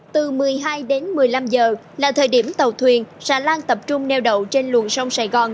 từ một mươi hai đến một mươi năm giờ là thời điểm tàu thuyền xà lan tập trung neo đậu trên luồng sông sài gòn